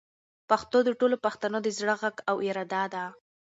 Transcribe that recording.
پښتو د ټولو پښتنو د زړه غږ او اراده ده.